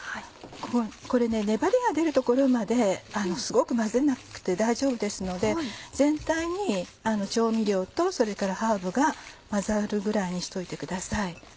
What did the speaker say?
これね粘りが出るところまですごく混ぜなくて大丈夫ですので全体に調味料とそれからハーブが混ざるぐらいにしといてください。